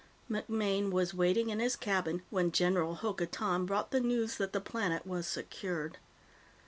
MacMaine was waiting in his cabin when General Hokotan brought the news that the planet was secured.